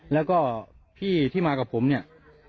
แล้วก็พี่ที่มากับผมเนี่ย